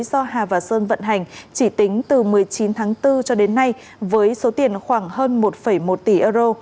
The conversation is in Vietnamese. do hà và sơn vận hành chỉ tính từ một mươi chín tháng bốn cho đến nay với số tiền khoảng hơn một một tỷ euro